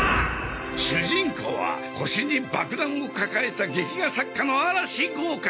主人公は腰に爆弾を抱えた劇画作家の嵐豪快。